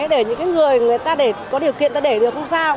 để những người người ta có điều kiện ta để được không sao